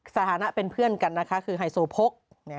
สถานห้าเป็นเพื่อนกันเลยครับคือไฮโซโพก